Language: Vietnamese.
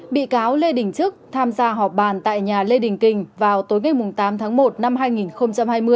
bị cáo lê đình trức tham gia họp bàn tại nhà lê đình kình vào tối ngày tám tháng một năm hai nghìn hai mươi